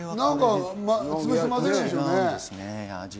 つぶして混ぜるんでしょうね。